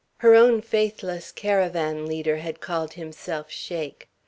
Her own faithless caravan leader had called himself "Sheik."